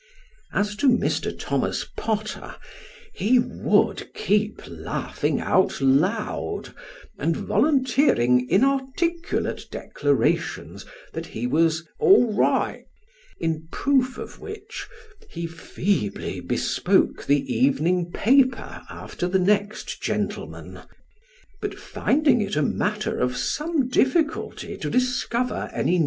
As to Mr. Thomas Potter, he would keep laughing out loud, and volunteering inarticulate declarations that he was " all right ;" in proof of which, he feebly bespoke the evening paper after the next gentleman, but finding it a matter of some difficulty to discover any 2OO Sketches by Box.